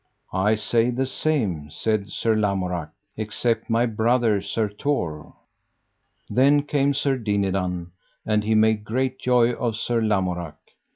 I say the same, said Sir Lamorak, except my brother, Sir Tor. Then came Sir Dinadan, and he made great joy of Sir Lamorak.